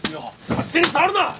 勝手に触るな！